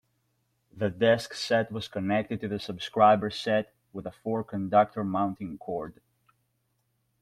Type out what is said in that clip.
The desk set was connected to the subscriber set with a four-conductor mounting cord.